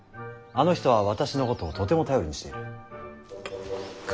あの人は私のことをとても頼りにしている。